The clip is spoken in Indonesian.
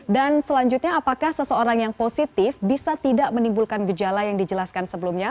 dan selanjutnya apakah seseorang yang positif bisa tidak menimbulkan gejala yang dijelaskan sebelumnya